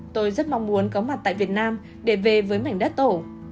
tôi rất mong muốn có mặt tại việt nam để về với mảnh đất tổ